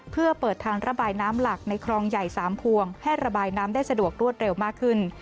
เพื่อเปิดทางระบายน้ำหลักในคลองใหญ่๓พวงให้ระบายน้ำได้สะดวกรวดเร็วมากขึ้น